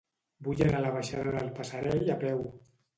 Vull anar a la baixada del Passerell a peu.